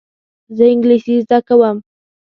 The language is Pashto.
زه انګلیسي زده کوم.